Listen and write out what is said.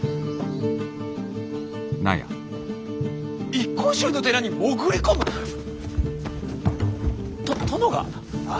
一向宗の寺に潜り込む！？と殿が？ああ。